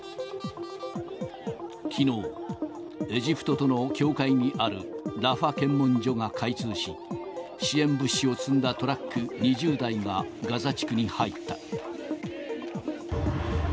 きのう、エジプトとの境界にあるラファ検問所が開通し、支援物資を積んだトラック２０台がガザ地区に入った。